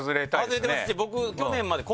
外れてますし僕。